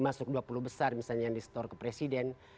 masuk dua puluh besar misalnya yang di store ke presiden